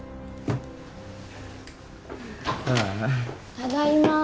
ただいま。